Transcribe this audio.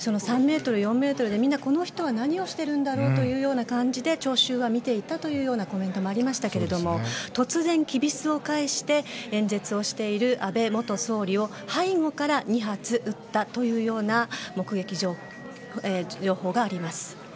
３ｍ、４ｍでみんな、この人は何をしているんだろという感じで聴衆は見ていたというようなコメントもありましたが突然きびすを返して演説をしている安倍元総理を背後から２発撃ったというような目撃情報があります。